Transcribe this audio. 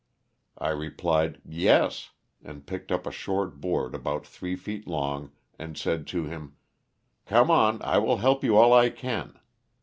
I replied, " Yes," and picked up a short board about three feet long and said to him, " Come on, I will help you all I can."